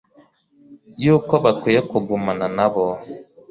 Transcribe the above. yuko bakwiye kugumana n'abo